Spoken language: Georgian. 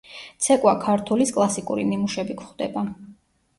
ცეკვა ქართულის კლასიკური ნიმუშები გვხვდება.